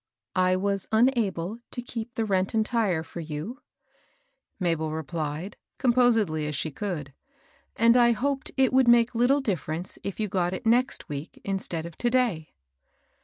" I was unable to keep the rent entire for you," Mabel replied, composedly as she could ;^^ and I hoped it would make little difference if you got it next week instead of to day."